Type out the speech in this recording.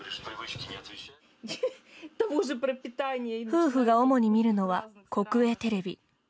夫婦が主に見るのは国営テレビ。